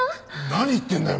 何言ってんだよ